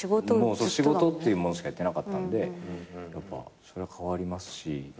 もう仕事っていうものしかやってなかったんでやっぱそれは変わりますし。